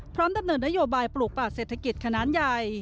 ดำเนินนโยบายปลูกป่าเศรษฐกิจขนาดใหญ่